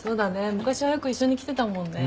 昔はよく一緒に来てたもんね。